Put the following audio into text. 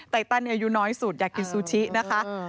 ตันอายุน้อยสุดอยากกินซูชินะคะ